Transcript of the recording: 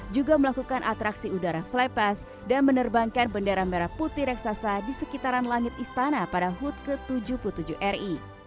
juga melakukan atraksi udara fly pass dan menerbangkan bendera merah putih raksasa di sekitaran langit istana pada hut ke tujuh puluh tujuh ri